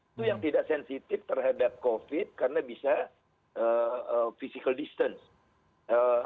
itu yang tidak sensitif terhadap covid karena bisa physical distance